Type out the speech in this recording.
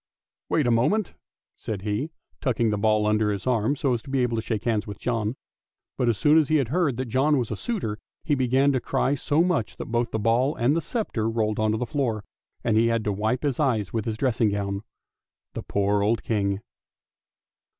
" Wait a moment," said he, tucking the ball under his arm so as to be able to shake hands with John. But as soon as he heard that John was a suitor he began to cry so much that both the ball and the sceptre rolled on to the floor, and he had to wipe his eyes with his dressing gown. The poor old King!